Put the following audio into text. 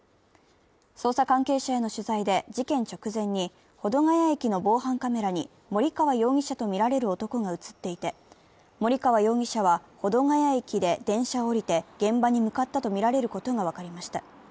捜査関係者への取材で事件直前に、保土ケ谷駅の防犯カメラに森川容疑者とみられる男が映っていて、森川容疑者は保土ケ谷駅で電車を降りて現場に向かったとみられることが分かりました。